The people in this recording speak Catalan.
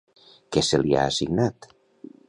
Què se li ha assignat?